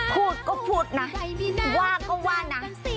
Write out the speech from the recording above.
พูดก็พูดนะว่าก็ว่านะ